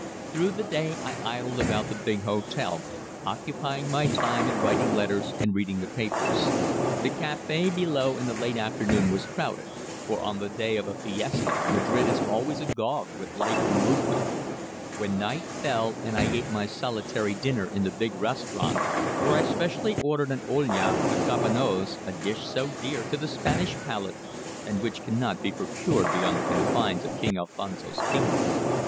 Through the day I idled about the big hotel, occupying my time in writing letters and reading the papers. The café below in the late afternoon was crowded, for on the day of a fiesta Madrid is always agog with life and movement. When night fell and I ate my solitary dinner in the big restaurant, where I specially ordered an olla with garbanoz, a dish so dear to the Spanish palate and which cannot be procured beyond the confines of King Alfonso's kingdom.